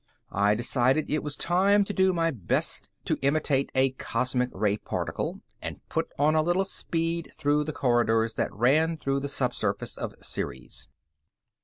I decided it was time to do my best to imitate a cosmic ray particle, and put on a little speed through the corridors that ran through the subsurface of Ceres.